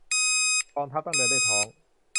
กองทัพต้องเดินด้วยท้อง